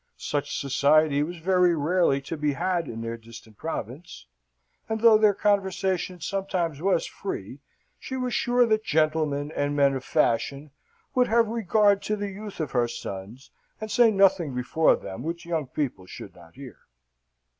Such society was very rarely to be had in their distant province, and though their conversation sometimes was free, she was sure that gentleman and men of fashion would have regard to the youth of her sons, and say nothing before them which young people should not hear."